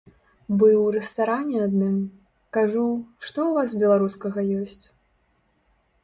Быў у рэстаране адным, кажу, што ў вас беларускага ёсць?